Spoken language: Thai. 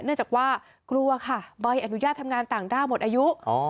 เนื่องจากว่ากลัวค่ะใบอนุญาตทำงานต่างด้าวหมดอายุ